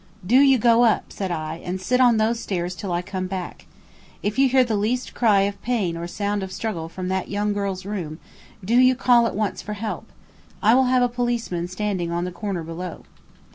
"Do you go up," said I, "and sit on those stairs till I come back. If you hear the least cry of pain or sound of struggle from that young girl's room, do you call at once for help. I will have a policeman standing on the corner below."